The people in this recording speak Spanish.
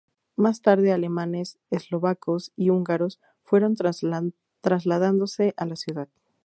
Más tarde, alemanes, eslovacos y húngaros fueron trasladándose a la ciudad.